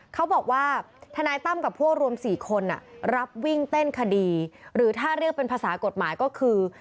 เขาบอกว่าทนายตั้มกับพวกรวม๔คนรับวิ่งเต้นคดีหรือถ้าเรียกเป็นภาษากฎหมายก็คือ